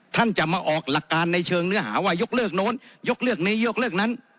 ท่านจะมาออกหลักการในเชิงเนื้อหาว่ายกเลิกโน้นยกเลิกนี้ยกเลิกนั้น